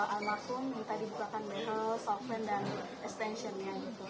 almakum minta dibukakan behel solvent dan extension nya gitu